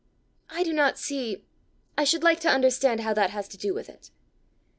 "I do not see I should like to understand how that has to do with it."